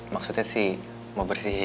maksudnya sih mau bersihin